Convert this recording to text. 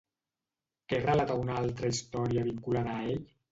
Què relata una altra història vinculada a ell?